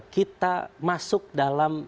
kita masuk dalam